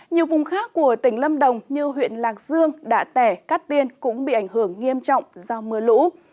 nhiều vùng khác của tỉnh lâm đồng như huyện lạc dương đạ tẻ cát tiên cũng bị ảnh hưởng nghiêm trọng do mưa lũ